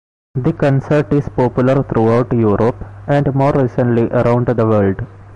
The concert is popular throughout Europe, and more recently around the world.